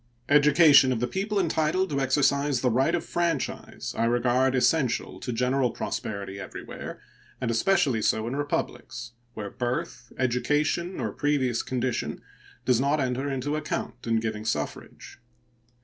Education of the people entitled to exercise the right of franchise I regard essential to general prosperity everywhere, and especially so in republics, where birth, education, or previous condition does not enter into account in giving suffrage.